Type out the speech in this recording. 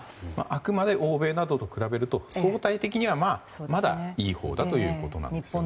あくまで欧米などと比べると相対的にはまだいいほうだということですよね。